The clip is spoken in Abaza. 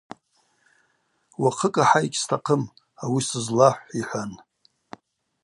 Уахъыкӏ ахӏа йыгьстахъым, ауи сызлахӏв, – йхӏван.